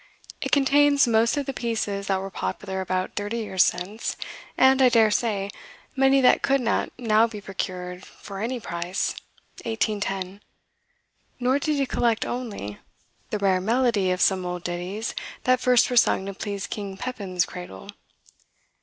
It contains most of the pieces that were popular about thirty years since, and, I dare say, many that could not now be procured for any price (1810)." Nor did he collect only "The rare melody of some old ditties That first were sung to please King Pepin's cradle.